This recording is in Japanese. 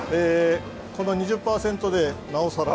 この２０％で、なおさら。